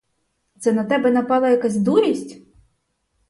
Це на тебе напала якась дурість?